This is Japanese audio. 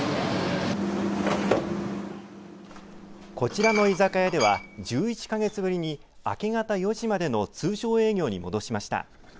こちらの居酒屋では１１か月ぶりに明け方４時までの通常営業に戻しました。